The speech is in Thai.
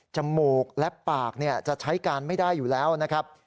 มูกและปากจะใช้การไม่ได้อยู่แล้วนะครับ